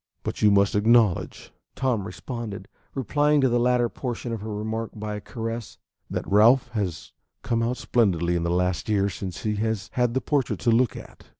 "But you must acknowledge," Tom responded, replying to the latter portion of her remark by a caress, "that Ralph has come out splendidly in the last year since he has had that portrait to look at."